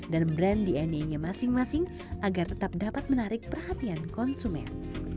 dan brand dna nya masing masing agar tetap dapat menarik perhatian konsumen